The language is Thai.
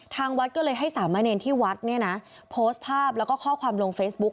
ทางวัดก็เลยให้สามารณเนียนที่วัดโพสต์ภาพแล้วก็ข้อความลงเฟซบุ๊ก